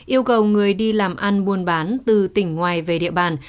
yêu cầu người đi làm ăn buôn bán từ tỉnh ngoài về địa bàn